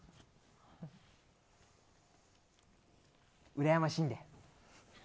うらやましいね。